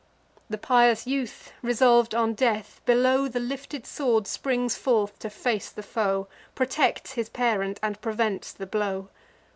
The pious youth, resolv'd on death, below The lifted sword springs forth to face the foe; Protects his parent, and prevents the blow.